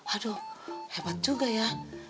aduh hebat juga ya